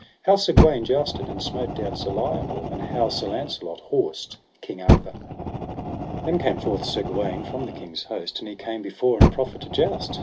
How Sir Gawaine jousted and smote down Sir Lionel, and how Sir Launcelot horsed King Arthur. Then came forth Sir Gawaine from the king's host, and he came before and proffered to joust.